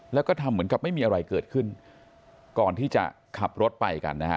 แล้วก็ทำเหมือนกับไม่มีอะไรเกิดขึ้นก่อนที่จะขับรถไปกันนะฮะ